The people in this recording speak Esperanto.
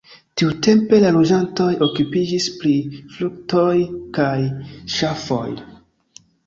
Tiutempe la loĝantoj okupiĝis pri fruktoj kaj ŝafoj.